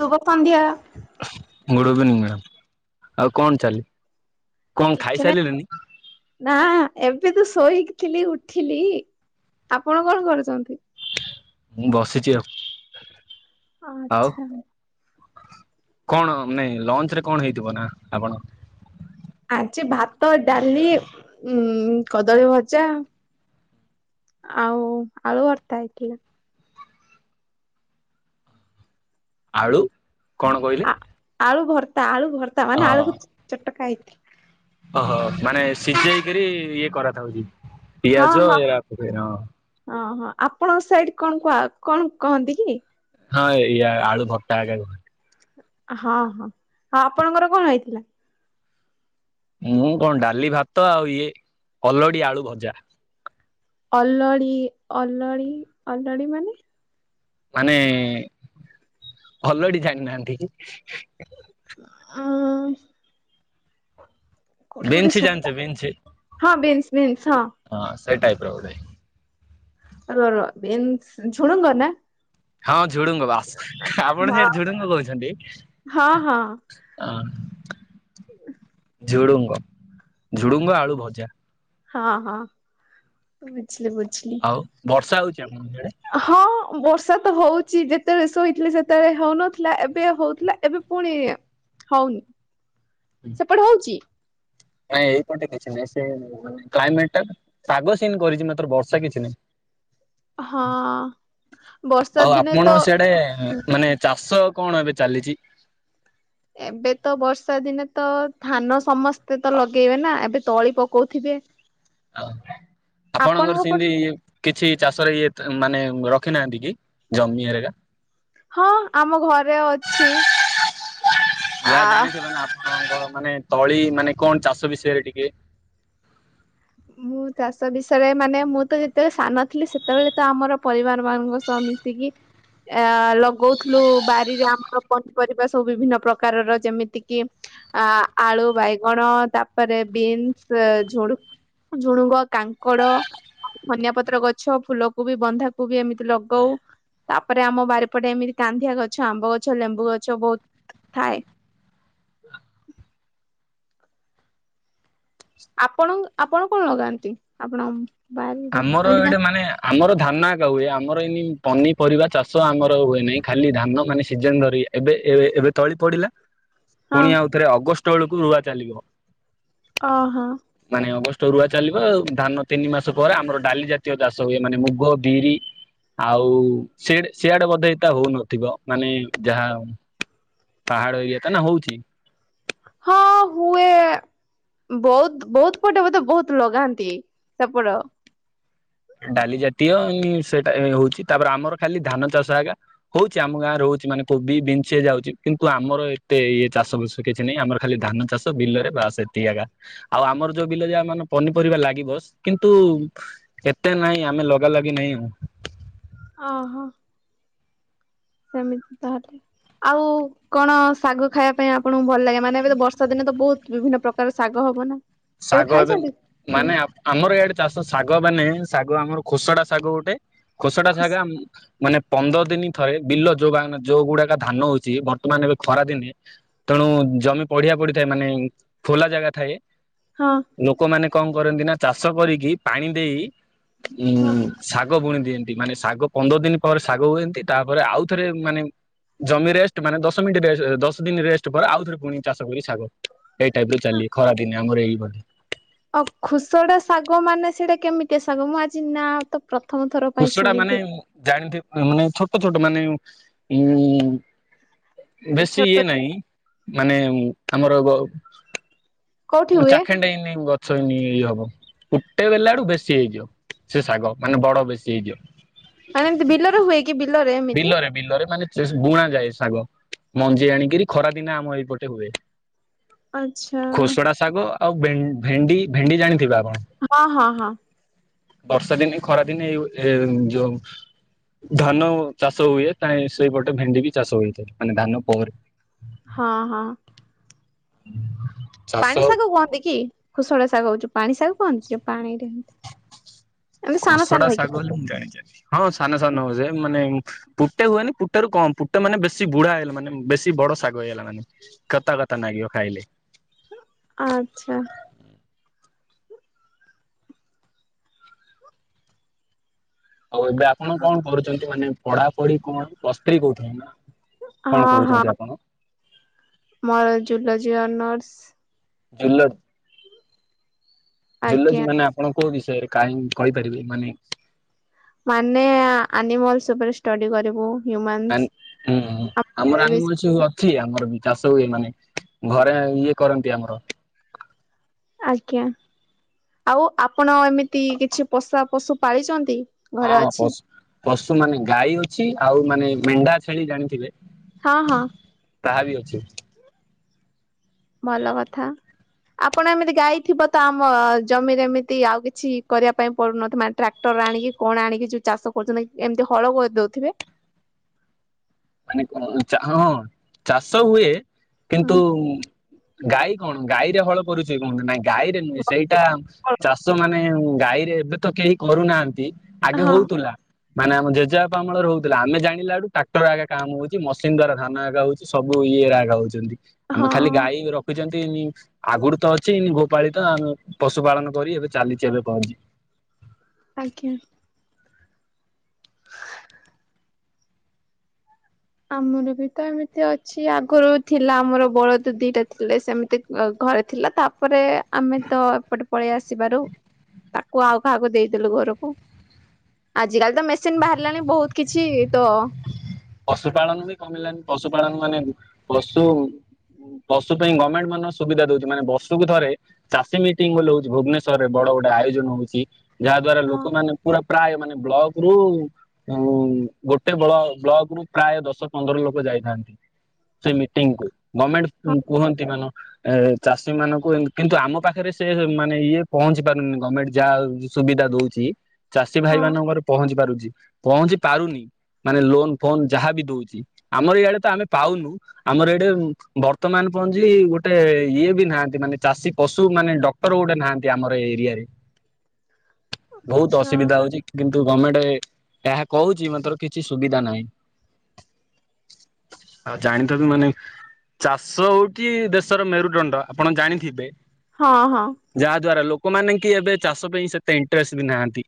ଶୁଭ ସନ୍ଧ୍ୟା। Good evening ଆଉ କଣ ଚାଲି କଣ କିଛି ନାଇ ଖାଇସାରିଲେଣି ନା। ଏବେ ତୁ ଶୋଇକିଥିଲି ଉଠିଲି ଆପଣ କଣ କରୁଚନ୍ତି? ମୁଁ ବସିଚି ଆଉ। ଆଉ ଆଛା। କଣ ନାଇଁ ଲଞ୍ଚ ରେ କଣ ହେଇଥିବ ନା ଆପଣ ଆଜି ଭାତ ଡାଲି ଉ କଦଳୀ ଭଜା। ଆଉ ଆଳୁ ଭତ୍ତା ହେଇଥିଲା। ଆଳୁ କଣ କହିଲେ? ଆଳୁ ଆଳୁ ଭତ୍ତା ହ ମାନେ ଆଳୁ କୁ ଚୋଟକା ଆଇତି ଓହୋ ମାନେ ସିଝେଇକରି ଇଏ କରାଥାଉଚି। ହଁ ପିଆଜ ହଁ ଏଇ ୟାକୁ ଦେ ହଁ। ହଁ ହଁ ଆପଣଙ୍କ ସାଇଡ କଣ କୁହ କଣ କହନ୍ତି କି? ହଁ ଇଆ ଆଳୁ ଭତ୍ତା ହେକା କୁହନ୍ତି। ହଁ ହଁ ହଁ ଆପଣଙ୍କର କଣ ହେଇଥିଲା? ମୁଁ କଣ ଡାଲି ଭାତ ଆଉ ଇଏ କଲଡି ଆଳୁ ଭଜା। ଅଲଡି ଅଲଡି ଅଲଡି ମାନେ ମାନେ ଆଲାଡ଼ି ଜାଣିନାହାନ୍ତି କି? ଅ କୋଉଠି ଗୋଟେ ବିନ୍ସ ଜାଣିଛ ଶୁଣିଲା ବିନ୍ସ ହଁ ବିମ୍ସ ବିମ୍ସ ହଁ। ସେଇ ଟାଇପ ର ଗୋଟେ। ଅ ହଁ ଝୁଡୁଙ୍ଗ ବାସ ଆପଣ ହଁ ସେଠି ଝୁଡୁଙ୍ଗ କହୁଛନ୍ତି ହଁ ହଁ ଅ। ଝୁଡୁଙ୍ଗ ଝୁଡୁଙ୍ଗ ଆଳୁ ଭଜା। ହଁ ହଁ ବୁଝିଲି ବୁଝିଲି ଆଉ ବର୍ଷା ହଉଛି ଆପଣଙ୍କ ଆଡେ? ହଁ। ବର୍ଷା ତ ହଉଚି ଯେତେବେଳେ ଶୋଇଥିଲେ ସେତେବେଳେ ହଉନଥିଲା ଏବେ ହଉଥିଲା ଏବେ ପୁଣି ହଉନି ସେପଟେ ହଉଚି ନାଇଁ ଏଇପଟେ କିଛି ନାହିଁ ସେ କ୍ଲାଇମେଟ ଟା ପାଗ ସିନ କରିଛି ମାତ୍ର ବର୍ଷା କିଛି ହଁ ନାହିଁ। ବର୍ଷା ଆଉ ଦିନେ ତ ଆପଣ ସିଆଡେ ମାନେ ଚାଷ କଣ ଏବେ ଚାଲିଚି? ଏବେ ତ ବର୍ଷା ଦିନେ ତ ଧାନ ସମସ୍ତେ ତ ଲଗେଇବେ ନା ଏବେ ତଳି ପକଉ ଆଉ ଆପଣଙ୍କର ଆପଣଙ୍କ ସେଇତି ପଟେ କିଛି ଚାଷରେ ଇଏ ମାନେ ରଖିନାହାନ୍ତି କି ଜମି ହେରେକା। ହଁ ଆମ ଘରେ ଅଛି। ଯାହା ଆ ଜାଣିଛ ନହେଲେ କଣ କଣ ମାନେ ତଳି ମାନେ କଣ ଚାଷ ବିଷୟରେ ଟିକେ ମୁଁ ଚାଷ ବିଷୟରେ ମାନେ ମୁଁ ତ ଯେତେବେଳେ ସାନଥିଲି ସେତେବେଳେ ତ ଆମର ପରିବାର ମାନଙ୍କ ସହ ମିଶିକି ଆ ଲଗଉଥିଲୁ ବାରିରେ ଆମର ପନିପରିବା ସବୁ ବିଭିନ୍ନ ପ୍ରକାରର ଯେମିତି କିି ଆ ଆଳୁ ବାଇଗଣ ତାପରେ ବିନ୍ସ ଝୁଡୁ ଝୁଡୁଙ୍ଗ କାଙ୍କଡ ଧନିଆ ପତ୍ର ଗଛ ଫୁଲକୋବି ବନ୍ଧାକୋବି ଏମିତି ଲଗଉ ତାପରେ ଆମ ବାରିପଟେ ଏମିତି କାନ୍ଧିଆ ଗଛ ଆମ୍ବ ଗଛ ଲେମ୍ବୁ ଗଛ ବହୁତ ଥାଏ [inaudible] ଆପଣ ଆପଣ କଣ ଲଗାନ୍ତି ଆପଣ? ବାରିରେ ଆମର ଏମିତି କା ଏଇଟେ ମାନେ ଆମର ଧାନା ଆଉ ହୁଏ ଆମର ଏନି ପନିପରିବା ଚାଷ ଆମର ହୁଏ ନାହିଁ ଖାଲି ଧାନ ମାନେ ସିଜନ ଧରି ଏବେ ଏବେ ଏ ଏବେ ତଳି ପଡିଲା ହଁ ପୁଣି ଆଉଥରେ ଅଗଷ୍ଟ ବେଳକୁ ରୁଆ ଚାଲିବ ଅ ହୋ ତ ରୁଆ ଚାଲିବ ଧାନ ତିନି ମାସ ପରେ ଆମର ଡାଲି ଜାତୀୟ ଚାଷ ହୁଏ। ମାନେ ମୁଗ ବିରି ଆଉ ସିଡେ ସିଆଡେ ବୋଧେ ତା ହଉନଥିବ ମାନେ ଯାହା ପାହାଡ ଏରିଆତା ନା ହଉଛି ହଁ ହୁଏ ବହୁତ ବହୁତ ପଟେ ବୋଧେ ବହୁତ ଲଗାନ୍ତି ସେପଟ ଡାଲି ଜାତୀୟ ଉ ସେଟା ହଉଛି ତାପରେ ଆମର ଖାଲି ଧାନ ଚାଷ ଆଜ୍ଞା ହଉଛି ଆମ ଗାଁରେ ହଉ- ଛି ମାନେ କୋବି ବିଞ୍ଚି ଯାଉଛି କିନ୍ତୁ ଆମର ଏତେ ଇଏ ଚାଷ ବାସ କିଛି ନାହିଁ ଆମର ଖାଲି ଧାନ ଚାଷ ବିଲ ରେ ବାସ୍ ସେତିକି ଆଜ୍ଞା ଆଉ ଆମର ଯୋଉ ବିଲ ଯା ମାନେ ପନିପରିବା ଲାଗିବ କିନ୍ତୁ ଏତେ ନାହିଁ ଆମେ ଲଗା ଲଗି ନେହିଁ ହୁଁ ଓ ହୋ ସେମିତି ତାହେଲେ ଆଉ କଣ ଶାଗ ଖାଇବା ପାଇଁ ଆପଣଙ୍କୁ ଭଲ ଲାଗେ ମାନେ ଏବେ ତ ବର୍ଷା ଦିନେ ତ ବହୁତ ବିଭିନ୍ନ ପ୍ରକାର ଶାଗ ହବ ନା କେବେ ଶାଗ ଏବେ ଖାଇଛନ୍ତି ହୁଁ ମାନେ ଆ ଆମର ଏଇଆଡେ ଚାଷ ଶାଗ ମାନେ ଶାଗ ଆମର ଖୋସଡା ଶାଗ ଗୋଟେ ଖୋସଡା ଶାଗ ଖୁସ୍ ଆମ - ମାନେ ପନ୍ଦର ଦିନ ଥରେ ବିଲ ଯୋଉବାହାନା ଯୋଉ ଗୁଡାକ ଧାନ ହଉଛି ବର୍ତ୍ତମାନ ଏବେ ଖରାଦିନେ ତ ତେଣୁ ଜମି ପଢିଆ ପଡିଥାଏ ମାନେ ଖୋଲା ଜାଗା ଥାଏ ହଁ ଲୋକମାନେ କଣ କରନ୍ତି ନା ଚାଷ କରିକି ପାଣି ଦେଇ ଉଁ ହଁ। ସା ଶାଗ ବୁଣି ଦିଅନ୍ତି ମାନେ ଶାଗ ପନ୍ଦର ଦିନ ପରେ ଶାଗ ହୁଏନ୍ତି ତାପରେ ଆଉ ଥରେ ମାନେ ଜମି ରେଷ୍ଟ ମାନେ ଦଶ ମିନିଟ ରେଶେ ଦଶ ଦିନ ରେଷ୍ଟ ପରେ ଆଉ ଥରେ ପୁଣି ଚାଷ କରିବେ ଶାଗ ଏଇ ଟାଇପ ର ଚାଲି ଖରାଦିନେ ଆମର ଏଇ ବୋଲି ଆଉ ଖୁସଡା ଶାଗ ମାନେ ସେଇଟା କେମିତିଆ ଶାଗ ମୁଁ ଆଜି ନା ତ ପ୍ରଥମ ଥର ପାଇଁ ଖୁସଡା ମାନେ ଶୁଣିଲି। ଜାଣିଥିବ୍ ମାନେ ଛୋଟ ଛୋଟ ମାନେ ଉଁ ବେଶୀ ଛୋଟ ଇଏ ନାହିଁ ମାନେ ଉଁ ଆମର ଗ କୋଉଠି ମୁଁ ହୁଏ ଚ଼ାଖେଣ୍ଡେ ହେଇନି ଗ ଛଇନେ ଇ ହବ କୁଟେ ବେଲା ଆଡୁ ବେଶୀ ହେଇଯିବ ସେ ଶାଗ ମାନେ ବଡ ବେଶୀ ହେଇଯିବ। ମାନେ ଏମତି ବିଲରେ ହୁଏ କି ବିଲରେ ଏମିତି? ସେସ୍ ବୁଣା ଯାଏ ଶାଗ ମଞ୍ଜି ଆଣିକିରି ଖରା ଦିନ ଆମ ଏଇପଟେ ହୁଏ। ଆ ଖୋସଡ଼ା ଶାଗ ଆଉ ଭେନ୍ ଭେଣ୍ଡି ଭେଣ୍ଡି ଜାଣିଥିବେ ଆପ୍ ହଁ ହଁ ହଁ। ବର୍ଷା ଦିନେ, ଖରା ଦିନେ ଏଉ ଏ ଯୋଉ ଧାନ ଚାଷ ହୁଏ ତା ସେଇପଟେ ଭେଣ୍ଡି ବି ଚାଷ ହୋଇଥାଏ ମାନେ ଧାନ ପରେ। ହଁ ହଁ। [inaudible] ପାଣି ଶାଗ କୁହନ୍ତି କି ଖୁଶୁଳା ଶାଗ ଅଉଚୁ ପାଣି ଶାଗ କୁହନ୍ତି ଯୋଉ ପାଣିରେ ହୁଅନ୍ତି? ଖୋସଡା ଶାଗ ଓଲି ମୁଁ ଜାଣିଚ଼ି ହଁ ସାନ ସାନ ହଉ ସେ ମାନେ ପୁ ଟେ ହୁଏନି ପୁଟାରୁ କମ୍ ପୁଟା ମାନେ ବେଶୀ ବୁଢା ହେଲେ ମାନେ ବେଶୀ ବଡ ଶାଗ ହେଇଗଲା ମାନେ କତା କତା ନାଗିବ ଖା ଖାଇଲେ। ଆଚ୍ଛା। ଆଉ ଏବେ ଆପଣ କଣ କରୁଚନ୍ତି? ମାନେ ପଢାପଢି କଣ ପ୍ଲସ୍ ଥ୍ରୀ କହୁଥିଲେ ନା? କଣ ହଁ ହଁ କରୁଚନ୍ତି ଆପଣ? ମୋର ଜୁଲୋଜି ଅନର୍ସ। ଜୁଲୋଜି ଜୁଲୋଜି ଆଜ୍ଞା ମାନେ ଆପଣ କୋଉ ବିଷୟରେ କାହିଁ କହିପାରିବେ ମାନେ ମାନେ ଆ ଆନିମଲ୍ସ ଉପରେ ଷ୍ଟଡି କରିବୁ। ହ୍ୟୁମାନ୍ସ। ଆନ୍ ଉମ୍ ଆମର ଆନିମଲ୍ସ ବି ଅଛି ଆମର ବି ଚାଷ ହୁଏ ମାନେ ଘରେ ଇଏ କରନ୍ତି ଆମର ଆଜ୍ଞା ଆଉ ଆପଣ ଏମିତି କିଛି ପଷା ପଶୁ ପାଳିଚନ୍ତି? ହଁ ପଶ୍ ପଶୁ ମାନେ ଗାଈ ଅଛି ଆଉ ମାନେ ମେଣ୍ଢା, ଛେଳି ଜାଣିିଥିବେ? ହଁ ହଁ। ତାହା ବି ଅଛି। ଭଲ କଥା। ଆପଣ ଏମିତି ଗାଈ ଥିବ ତ ଆମ ଜମିରେ ଏମିତି ଆଉ କିଛି କରିଆ ପାଇଁ ପଡୁନ ଥିବ ମାନେ ଟ୍ରାକ୍ଟର? ର ଆଣିକି କଣ ଆଣିକି ଯୋଉ ଚାଷ କରୁଚନ୍ତି ଏମିତି ହଳ କରିଦଉଥିବେ? [inaudible] ମାନେ କଁ ଚା ହଁ ଚାଷ ହୁଏ ହଁ କିନ୍ତୁ ଗାଈ କଣ ଗାଈରେ ହଳ କରୁଚି କଣ? ନାଇଁ ଗାଈରେ ନୁହେଁ ସେଇଟା ଚାଷ ମାନେ ଗାଈରେ ଏବେ ତ କେହି କରୁନାହାନ୍ତି ଆଗେ ହଁ ହଉଥୁଲା। ମାନେ ଆମ ଜେଜେଆପା ଅମଳ ରେ ହଉଥିଲା। ଆମେ ଜାଣିଲାଠୁ ଟ୍ରାକ୍ଟର ଆଗେ କାମ ହଉଚି ମସିନ୍ ଦ୍ଵାରା ଧାନ ଆଗ ହଉଚି ସବୁ ଇଏ ଆଗ ହଉଛନ୍ତି! ଆମେ ହଁ ଖାଲି ଗାଈ ରଖିଚନ୍ତିି ନି ଆଗରୁ ତ ଅଛିି ନି ଗୋ ପାଳିତ ଆମେ ପଶୁପାଳନ କରି ଏବେ ଚାଲିଚି ଏବେ ପଞ୍ଜି। ଆଜ୍ଞା। ଆମର ବି ତ ଏମିତି ଅଛି ଆଗରୁ ଥିଲା ଆମର ବଳଦ ଦିଟା ଥିଲେ ସେମିତି ଆ ଘରେ ଥିଲା ତାପରେ ଆମେ ତ ଏପଟେ ପଳେଇ ଆସିବାରୁ ତାକୁ ଆଉ କାହାକୁ ଦେଇଦେଲୁ ଘରକୁ। ଆଜି କାଲି ତ ମେସିନ୍ ବାହାରିଲାଣି ବୋହୁତ କିଛି ତ ପଶୁ ପାାଳନ ବି କମିଲାଣି ପଶୁ ପାାଳନ ମାନେ ପଶୁ ପଶୁ ପାଇଁ ଗମେଣ୍ଟ ମାନ ସୁବିଧା ଦଉଛି ମାନେ ବର୍ଷୁକୁ ଥରେ ଚାଷୀ ମିଟିଂ ବୋଲି ହଉଚ଼ି ଭୁବନେଶ୍ଵର ରେ ବଡ ଗୋଟେ ଆୟୋଜନ ହଉଚି। ଯାହା ଦ୍ଵାରା ହଁ ଲୋକମାନେ ପୁରା ପ୍ରାୟ ମାନେ ବ୍ଲକ ରୁ ଉମ୍ ଗୋଟ ଏତେ ବ୍ଲ ବ୍ଲକ ରୁ ପ୍ରାୟ ଦଶ ପନ୍ଦର ଲୋକ ଯାଇଥାନ୍ତି ସେ ମିଟିଂ କୁ। ଗମେଣ୍ଟ ହଁ କୁହନ୍ତି ମାନ। ଏ ଚାଷୀ ମାନଙ୍କୁ କିନ୍ତୁ ଆମ ପାଖରେ ସେ ମାନେ ଇଏ ପହଞ୍ଚି ପାରୁନି ଗମେଣ୍ଟ ଯାହା ସୁବିଧା ଦଉଛି। ଚାଷୀ ଭାଇ ହଁ ମାନଙ୍କର ପହଞ୍ଚି ପାରୁଛି ପହଞ୍ଚି ପାରୁନ ମାନେ ଲୋନ ଫୋନ ଯାହା ବି ଦଉଛ। ଆମର ଏଇଆଡେ ତ ଆମେ ପାଉନୁ ଆମର ଏଇଡେ ବର୍ତ୍ତମାନ ମାନେ ପହଞ୍ଚିଲି ଗୋଟେ ଇଏ ବି ନାହାନ୍ତି, ମାନେ ଚାଷୀ ପଶୁ ମାନେ ଡକ୍ଟର ଗୋଟେ ନାହାନ୍ତି ଆମର ଏ ଏରିଆରେ। ବହୁତ ଆଚ୍ଛା। ଅସୁବିଧା ହଉଛି କିନ୍ତୁ ଗମେଣ୍ଟ ଏହା କହୁଛି ମାତ୍ର କିଛି ସୁବିଧା ନାହିଁ। ଆଉ ଜାଣିଥିବୁ ମାନେ ଚାଷ ହଉଛି ଦେଶର ମେରୁଦଣ୍ଡ। ଆପଣ ଜାଣିଥିବେ? ହଁ ହଁ। ଯାହା ଦ୍ଵାରା ଲୋ ଲୋକମାନେ କି ଏବେ ଚାଷ ପାଇଁ ସେତେ ଇଣ୍ଟରେଷ୍ଟ ବି ନାହାନ୍ତି।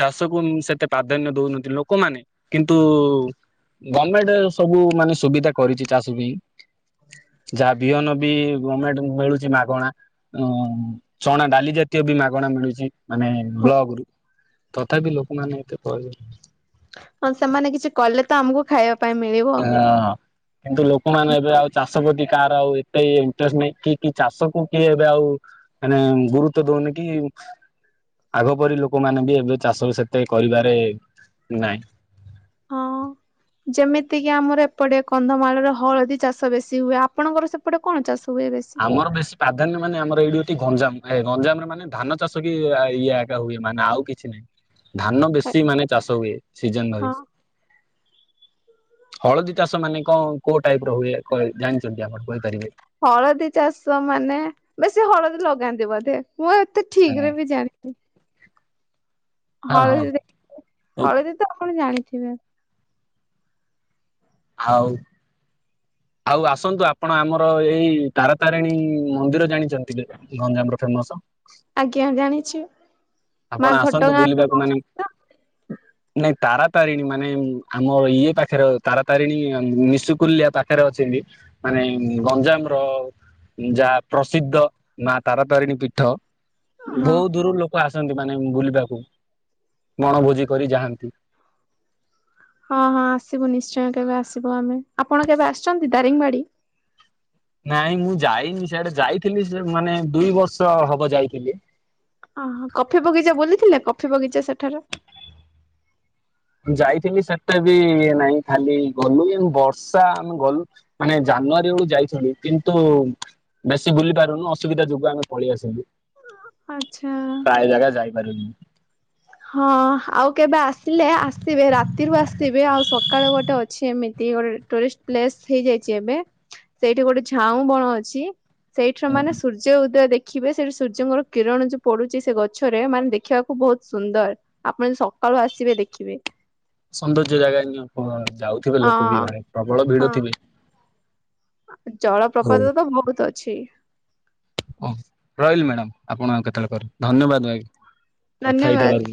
ଚାଷ କୁ ସେତେ ପ୍ରାଧାନ୍ୟ ଦଉନାହାନ୍ତି ଲୋକମାନେ। କିନ୍ତୁ ଗମେଣ୍ଟ ସବୁ ମାନେ ସୁବିଧା କରିଛି ଚାଷ ପାଇଁ। ଯାହା ବିହନ ବି ଗମେଣ୍ଟ ମିଳୁଛି ମାଗଣା। ଆ ଚଣା ଡାଲି ଜାତୀୟ ମାଗଣା ମିଳୁଛି ମାନେ ହଁ। ବ୍ଲକ ରୁ, ତଥାପି ଲୋକମାନେ ଏତେ [inaudible] ହଁ ସେମାନେ କିଛି କଲେ ତ ଆମକୁ ଖାଇବା ପାଇଁ ମିଳିବ। ହଁ କିନ୍ତୁ ଲୋକମାନେ ଏବେ ଆଉ ଚାଷ ଚାଷ ପ୍ରତି କାହାର ଆଉ ଏତେ ଇଣ୍ଟରେଷ୍ଟ ନାହିଁ। କି କି ଚାଷକୁ କିଏ ଏବେ ଆଉ ମାନେ ଗୁରୁତ୍ଵ ଦଉନି। ଦିମ୍ ଆଗ ପରି ଲୋକମାନୋନେ ବି ଏବେ ଚାଷ ସେତେ କରିବାରେ ନାଇଁ ହଁ। ଯେମିତି କିି ଆମର ଏପଟେ କନ୍ଧମାଳ ର ହଳଦୀ ଚାଷ ବେଶୀ ହୁଏ। ଆପଣଙ୍କର ସେପଟେ କଣ ଚାଷ? ହୁଏ ବେଶୀ? ଆମର ବେଶୀ ପ୍ରାଧାନ୍ୟ ମାନେ ଆମର ଏଇଠି ଏଠି ଗଞ୍ଜାମ ଏ ଗଞ୍ଜାମରେ ମାନେ ଧାନ ଚାଷ କି ଇଏ ଏକା ହୁଏ ମାନେ ଆଉ କିଛି ନାଇଁ। ଧାନ ବେଶୀ ମାନେ ଚାଷ ହୁଏ। ସିଜନ ଭରି ହଁ ହଳଦୀ ଚାଷ ମାନେ କଣ କୋଉ ଟାଇପ ର ହୁଏ କହି ଜାଣିଛନ୍ତି ଆପଣ କହିପାରିବେ? ହଳଦୀ ଚାଷ ମାନେ ବେଶୀ ହଳଦୀ ଲଗାନ୍ତି ବୋଧେ। ମୁଁ ଏତେ ହଁ ଠିକରେ ବି ଯାଣିନି ହଁ ହଳଦୀ ହଳଦୀ ତ ଆପଣ ଜାଣିଥିବେ। ଆ? ଆଉ ଆସନ୍ତୁ। ଆପଣ ଆମର ଏଇ ତାରାତାରିଣୀ ମନ୍ଦିର ଜାଣିଛନ୍ତି? ଯେମିତିକି ଗଞ୍ଜାମରେ ଫେମସ ଆଜ୍ଞା ଜାଣିଛି। ମା ଆପଣ ଆସନ୍ତୁ ଘଟଗାଁ ରୁ ବୁଲିବାକୁ ମାନେ କହୁଛନ୍ତି ତ ନାଇଁ ତାରାତାରିଣୀ ମାନେ ଆମର ଇଏ ପାଖରେ ତାରାତାରିଣୀ ନିଶୁକୁଲିଆ ପାଖରେ ଅଛି। ମାନେ ଗଞ୍ଜାମ ର ଯାହା ପ୍ରସିଦ୍ଧ ମା ତାରାତାରିଣୀ ପୀଠ ହଁ। ବହୁ ଦୂରରୁ ଲୋକ ଆସ ମାନେ ବୁଲିବାକୁ ବଣଭୋଜି କରି ଯାଆନ୍ତି। ହଁ ହଁ ଆସିବୁ ନିଶ୍ଚୟ କେବେ ଆସିବ ଆମେ ଆପଣ କେବେ ଆସିଛନ୍ତି ଦାରିଙ୍ଗବାଡି? ନାଇଁ ମୁଁ ଯାଇନି ସିଆଡେ ଯାଇଥିଲି ସେ ମାନେ ଦୁଇ ବର୍ଷ ହବ ଯାଇଥିଲି। ଅହ କଫି ବଗିଚା ବୁଲିଥିଲେ କଫି ବଗିଚା ସେଠାର? ଯାଇଥିଲି ସେଟା ବି ନାଇଁ ଖାଲି ଗଲୁ ବର୍ଷା ଆମେ ଗଲୁ ମାନେ ଯା ଜାନୁଆରୀ ବେଳୁ ଯାଇଥିଲୁ କିନ୍ତୁ ବେଶୀ ବୁଲି ପାରୁନୁ ଅସୁବିଧା ଯୋଗୁ ଆମେ ପଳେଇ ଆସିଲୁ। ଆଛା। ମେରୁନ୍ ହଁ ଆଉ କେବେ ଆସିଲେ ଆସିବେ ରାତିରୁ ଆସିବେ ଆଉ ସକାଳୁ ଗୋଟେ ଅଛି ଏମିତି ଗୋଟେ ଟୁରିଷ୍ଟ ପ୍ଲେସ ହେଇଯାଇଛି ଏବେ ସେଇଠି ଗୋଟେ ଝାଉଁ ବଣ ଅଛି। ସେଇଠୁ ମାନେ ସୂର୍ଯ୍ୟ ଉଦୟ ଦେଖ୍ ଦେଖିବେ ସେଠି ସୂର୍ଯ୍ୟଙ୍କର କିରଣ ଯୋଉ ପଡୁଛି ସେ ଗଛରେ ମାନେ ଦେଖିବାକୁ ବହୁତ ସୁନ୍ଦର ଆପଣ ସକାଳୁ ଆସିବେ ଦେଖିବେ। ସୌନ୍ଦର୍ଯ୍ୟ ଜାଗା ନି କଣ ଯାଉଛି ଥିବେ ଲୋକ ବି ହଁ ଘରେ ପ୍ରବଳ ହଁ ଭିଡ ଥିବେ ଜଳପ୍ରପାତ ତ ବହୁତ ଅଛି। ଓ ରହିଲି ମ୍ୟାଡ଼ାମ ଆପଣ ଆଉ କେତେବେଳେ କରିବେ ଧନ୍ୟବାଦ ଭାଇ। କଥା ଧନ୍ୟବାଦ। ହେଇଥିଲେବି